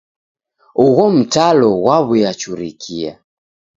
Ugho mtalo ghwaw'uyachurikia.